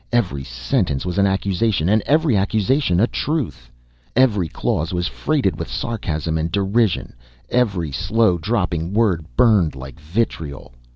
Every sentence was an accusation, and every accusation a truth. Every clause was freighted with sarcasm and derision, every slow dropping word burned like vitriol.